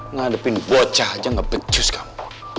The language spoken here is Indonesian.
ngadepin bocah aja gak pecus kamu